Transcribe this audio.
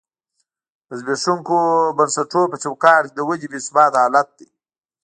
د زبېښونکو بنسټونو په چوکاټ کې د ودې بې ثباته حالت دی.